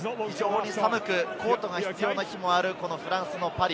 寒く、コートが必要な日もあるフランスのパリ。